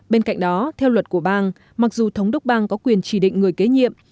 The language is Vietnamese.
bên cạnh đó theo luật của bang mặc dù thống đốc bang có quyền chỉ định người kế nhiệm